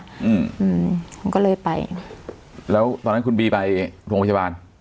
อืมอืมคุณก็เลยไปแล้วตอนนั้นคุณบีไปโรงพยาบาล